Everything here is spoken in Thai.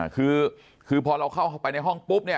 คือพอเราเข้าไปในห้องปุ๊บเนี่ย